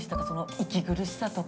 息苦しさとか。